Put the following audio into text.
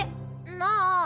なあ。